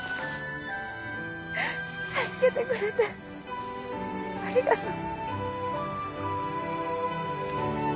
助けてくれてありがとう。